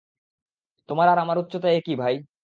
তোমার আর আমার উচ্চতা একই, ভাই।